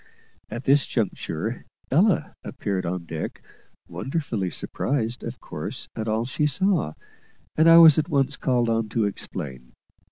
At this juncture Ella appeared on deck, wonderfully surprised, of course, at all she saw, and I was at once called on to explain.